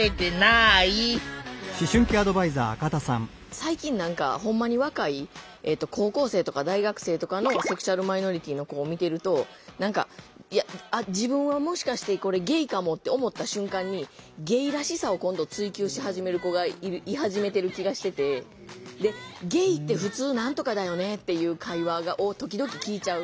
最近何かほんまに若い高校生とか大学生とかのセクシュアルマイノリティーの子を見てると自分はもしかしてゲイかもって思った瞬間にゲイらしさを今度追求し始める子がい始めてる気がしてて。っていう会話を時々聞いちゃう。